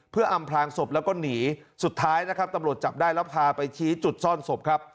เพื่ออำพลางศพแล้วก็หนีสุดท้ายนะครับตำรวจจับได้แล้วพาไปชี้จุดซ่อนศพครับ